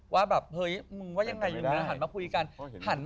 ว่าแบบเฮ้ยมึงว่ายังไงอยู่ดีหันมาคุยกัน